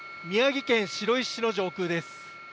宮城県白石市の上空です。